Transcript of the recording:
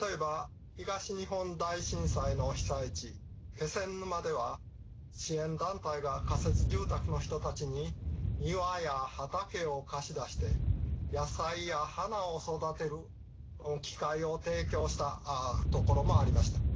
気仙沼では支援団体が仮設住宅の人たちに庭や畑を貸し出して野菜や花を育てる機会を提供した所もありました。